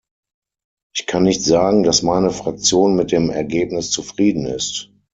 Ich kann nicht sagen, dass meine Fraktion mit dem Ergebnis zufrieden ist.